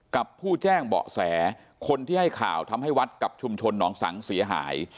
ผู้แจ้งเบาะแสคนที่ให้ข่าวทำให้วัดกับชุมชนหนองสังเสียหาย